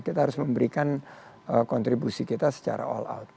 kita harus memberikan kontribusi kita secara all out